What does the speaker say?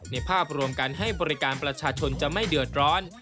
ภาพรวมการให้บริการประชาชนจะไม่เดือดร้อน